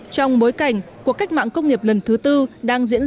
trong bối cảnh cuộc cách mạng công nghiệp lần thứ tư đang diễn ra